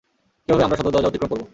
কীভাবে আমরা সদর দরজা অতিক্রম করব?